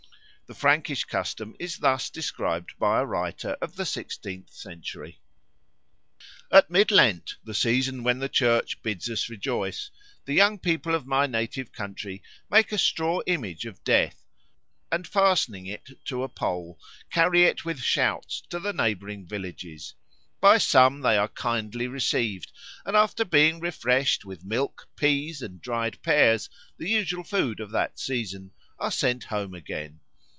The Frankish custom is thus described by a writer of the sixteenth century: "At Mid Lent, the season when the church bids us rejoice, the young people of my native country make a straw image of Death, and fastening it to a pole carry it with shouts to the neighbouring villages. By some they are kindly received, and after being refreshed with milk, peas, and dried pears, the usual food of that season, are sent home again.